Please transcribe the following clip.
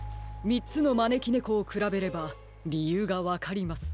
みっつのまねきねこをくらべればりゆうがわかります。